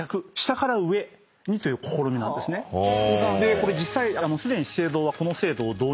これ実際すでに。